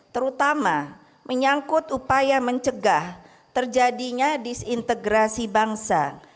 terutama menyangkut upaya mencegah terjadinya disintegrasi bangsa